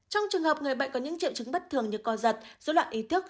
trong trường hợp người bệnh có những triệu chứng bất thường như co giật dối loạn ý thức